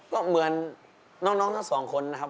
ก็เหมือนน้องทั้งสองคนนะครับ